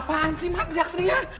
apaan sih mak diakriah